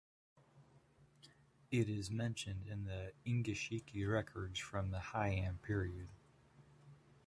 It is mentioned in the "Engishiki" records from the Heian period.